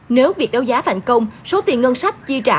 nếu việc đấu giá thành công số tiền ngân sách chi trả